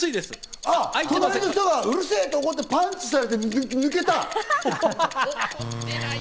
隣の人が、うるせ！って言ってパンチして、壁が抜けた。